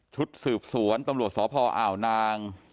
ชุดสืบสวนตำรวจสพอ่าวนาง